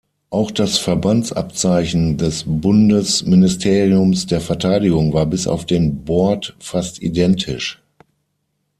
Auch das Verbandsabzeichen des Bundesministeriums der Verteidigung war bis auf den Bord fast identisch.